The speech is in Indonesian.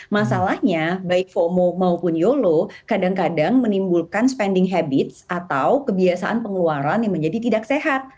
masalahnya baik fomo maupun yolo kadang kadang menimbulkan spending habits atau kebiasaan pengeluaran yang menjadi tidak sehat